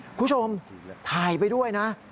คุณผู้ชมถ่ายไปด้วยนะ